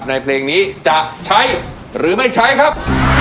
เพลงนี้จะใช้หรือไม่ใช้ครับ